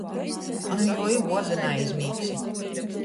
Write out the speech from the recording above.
Nu juo i vuorda naizmīgsi.